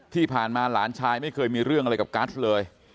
ที่ผ่านมาหลานชายไม่เคยมีเรื่องอะไรกับกัสเลย